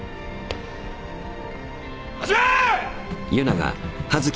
始め！